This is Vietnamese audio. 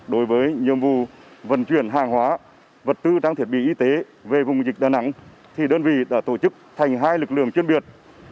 đối với nhiệm vụ vận chuyển hàng hóa vật tư trang thiết bị y tế về vùng dịch đà nẵng thì đơn vị đã tổ chức thành hai lực lượng chuyên biệt